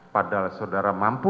padahal saudara mampu